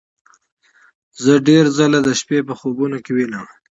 زه ډیر ځله د شپې په خوبونو کې وینم